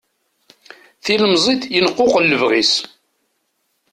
Tilemẓit yenquqel lebɣi-s.